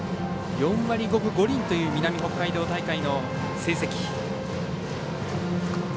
４割５分５厘という南北海道大会の成績。